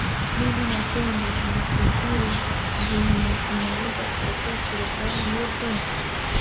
din na pendo mnafikiri guinea inaweza ikatoa sura gani nurdin